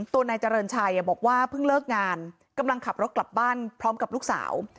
นายเจริญชัยบอกว่าเพิ่งเลิกงานกำลังขับรถกลับบ้านพร้อมกับลูกสาว